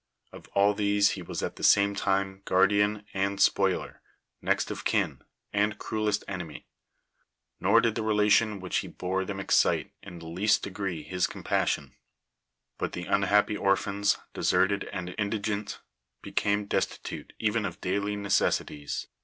Of all these he was at the same time guardian and spoiler, next of kin, and crudest enemy; nor did the relation which he bore them excite in the least degree his compassion ; but the unhappy orphans, deserted and indigent, became destitute even of daily necessities.